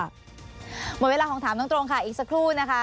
หมดเวลาของถามตรงค่ะอีกสักครู่นะคะ